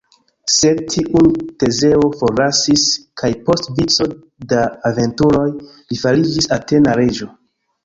Sed tiun Tezeo forlasis kaj post vico da aventuroj li fariĝis atena reĝo.